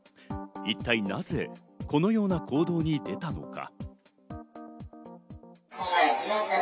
一体なぜこのような行動に出たのか。